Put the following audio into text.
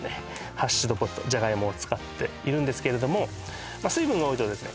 ハッシュドポテトジャガイモを使っているんですけれども水分が多いとですね